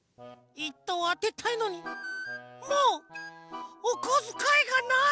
１とうあてたいのにもうおこづかいがない！